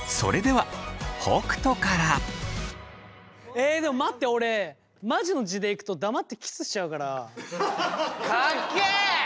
えでも待って俺マジの地でいくと黙ってキスしちゃうから。かっけえ！